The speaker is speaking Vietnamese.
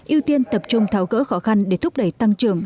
ưu tiên tập trung tháo cỡ khó khăn để thúc đẩy tăng trưởng